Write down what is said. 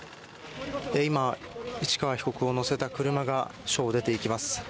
今、市川被告を乗せた車が署を出ていきます。